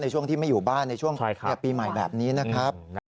ช่วงที่ไม่อยู่บ้านในช่วงปีใหม่แบบนี้นะครับ